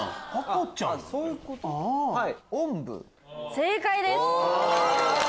正解です。